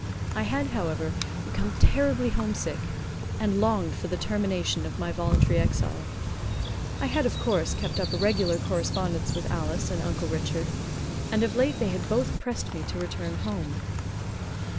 I had, however, become terribly homesick, and longed for the termination of my voluntary exile. I had, of course, kept up a regular correspondence with Alice and Uncle Richard, and of late they had both pressed me to return home.